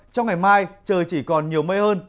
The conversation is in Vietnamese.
trong ngày mai trời chỉ còn nhiều mây hơn